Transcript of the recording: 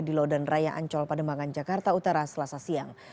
di laudan raya ancol pada mangan jakarta utara selasa siang